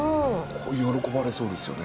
喜ばれそうですよね。